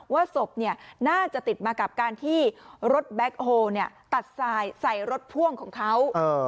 ว่าศพน่าจะติดมากับการที่รถแบ็คโฮลตัดทรายใส่รถพ่วงของเขา